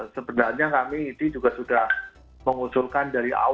sebenarnya kami idi juga sudah mengusulkan